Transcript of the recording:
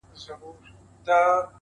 • ماچي سکروټي په غاښو چیچلې,